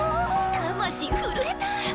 魂震えた！